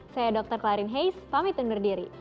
saya dr klarin heis pamit dan berdiam